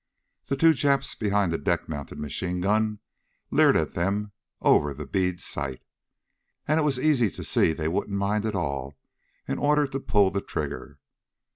The two Japs behind the deck mounted machine gun leered at them over the bead sight, and it was easy to see they wouldn't mind at all an order to pull the trigger.